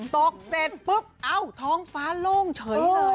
ตกเสร็จปุ๊บเอ้าท้องฟ้าโล่งเฉยเลย